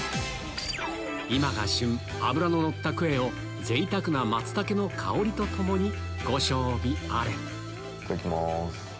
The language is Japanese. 今が旬脂ののったクエを贅沢な松茸の香りと共にご賞味あれいただきます。